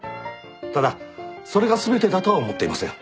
ただそれが全てだとは思っていません。